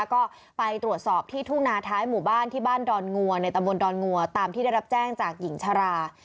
ก็ไปตรวจสอบที่ทุ่งนาท้ายหมู่บ้านที่บ้านดอนงัวในตำบลดอนงัวตามที่ได้รับแจ้งจากหญิงชรา